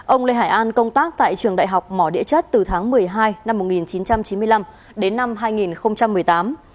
ông lê hải an công tác tại trường đại học mỏ địa chất từ tháng một mươi hai năm một nghìn chín trăm chín mươi năm đến năm hai nghìn một mươi tám